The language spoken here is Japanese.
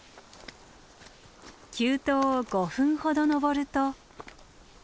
急登を５分ほど登ると。